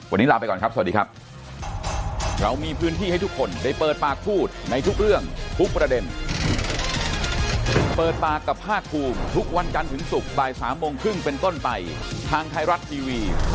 วันนี้ลาไปก่อนครับสวัสดีครับ